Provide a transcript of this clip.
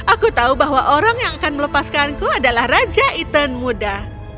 aku tahu bahwa orang yang akan melepaskanku adalah raja ethan muda